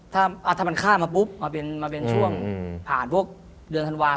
ถ้ามันข้ามมาปุ๊บมาเป็นช่วงผ่านพวกเดือนธันวาค